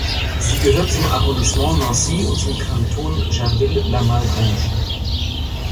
Sie gehört zum Arrondissement Nancy und zum Kanton Jarville-la-Malgrange.